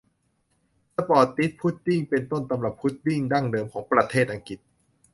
สปอร์ตดิ๊ดพุดดิ้งเป็นต้นตำรับพุดดิ้งดั้งเดิมของประเทศอังกฤษ